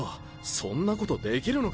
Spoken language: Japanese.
そんなことできるのか？